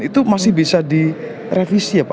itu masih bisa direvisi apa